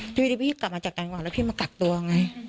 ทีนี้พี่กลับมาจากการหวังแล้วพี่มากักตัวไง